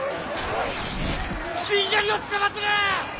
しんがりをつかまつる！